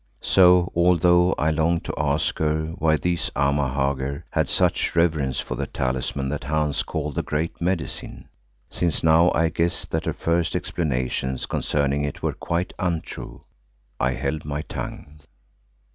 So, although I longed to ask her why these Amahagger had such reverence for the talisman that Hans called the Great Medicine, since now I guessed that her first explanations concerning it were quite untrue, I held my tongue.